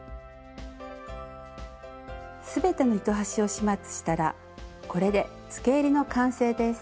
全ての糸端を始末したらこれでつけえりの完成です。